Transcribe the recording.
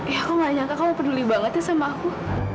ya aku gak nyangka kamu peduli banget ya sama aku